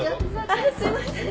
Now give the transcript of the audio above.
あっすいません。